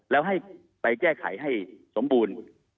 แล้วให้ไปแก้ไขให้สมบูรณ์